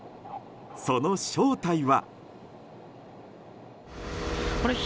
その正体は。